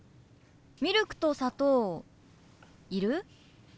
ミルクと砂糖いる？